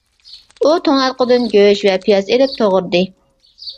ئۇ توڭلاتقۇدىن گۆش ۋە پىياز ئېلىپ توغرىدى.